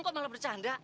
kok malah bercanda